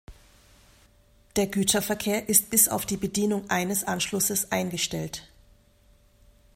Der Güterverkehr ist bis auf die Bedienung eines Anschlusses eingestellt.